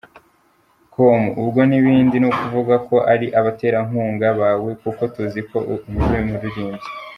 com: Ubwo n’ibindi nukuvuga ko ari abaterankunga bawe kuko tuziko uri umuririmbyi?.